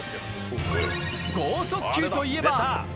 剛速球といえば。